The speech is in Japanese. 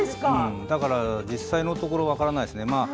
だから実際のところ分からないですね。